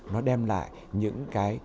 nó đem lại những cái